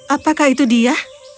apakah itu dia